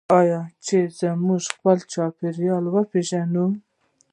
آیا چې موږ خپل چاپیریال وپیژنو؟